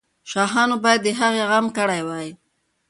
شاهانو باید د هغې غم کړی وای.